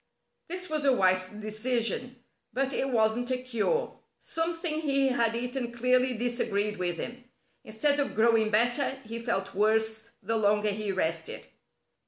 This was a wise decision, but it wasn't a cure. Something he had eaten clearly disagreed with him. Instead of growing better he felt worse the longer he rested.